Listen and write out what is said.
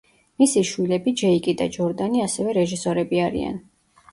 მისი შვილები ჯეიკი და ჯორდანი ასევე რეჟისორები არიან.